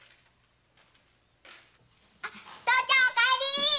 父ちゃんお帰り。